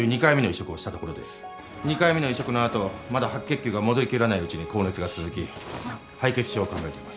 ２回目の移植の後まだ白血球が戻りきらないうちに高熱が続き敗血症を考えています。